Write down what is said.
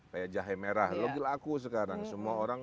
kayak jahe merah logil aku sekarang semua orang